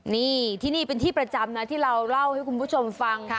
นี่ที่นี่เป็นที่ประจำนะที่เราเล่าให้คุณผู้ชมฟัง